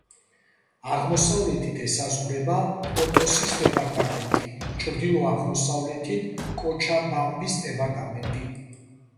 აღმოსავლეთით ესაზღვრება პოტოსის დეპარტამენტი, ჩრდილო-აღმოსავლეთით კოჩაბამბის დეპარტამენტი.